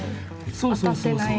そうそうそうそう。